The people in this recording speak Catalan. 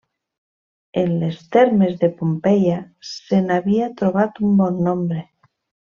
En les termes de Pompeia se n'havia trobat un bon nombre.